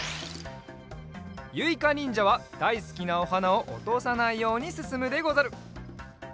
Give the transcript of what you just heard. ゆいかにんじゃはだいすきなおはなをおとさないようにすすむでござる。